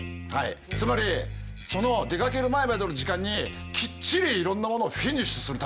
つまりその出かける前までの時間にきっちりいろんなものをフィニッシュするためです。